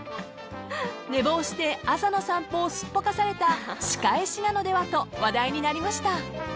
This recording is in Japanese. ［寝坊して朝の散歩をすっぽかされた仕返しなのではと話題になりました］